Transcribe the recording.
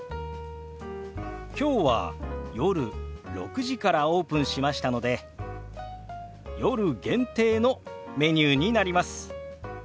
きょうは夜６時からオープンしましたので夜限定のメニューになります。